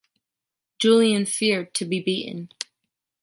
Julien feared to be beaten.